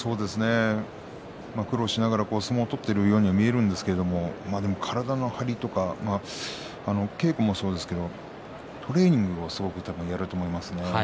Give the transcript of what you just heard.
苦労しながら相撲取ってるようには見えるんですけど体の張りとか稽古もそうですけどトレーニングをすごくやると思いますね。